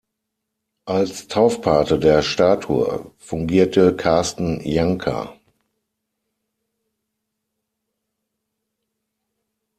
Als Taufpate der Statue fungierte Carsten Jancker.